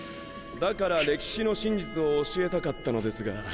だから歴史の真実を教えたかったのですが。